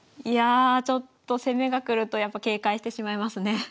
いやちょっと攻めが来るとやっぱ警戒してしまいますね。